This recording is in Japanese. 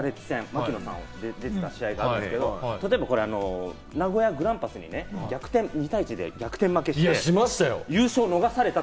槙野さんが出た試合があるんですけれども、例えば、名古屋グランパスにね、逆転に対して逆転負けして優勝を逃された。